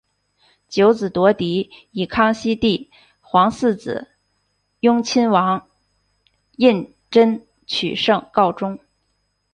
九子夺嫡以康熙帝皇四子雍亲王胤禛取胜告终。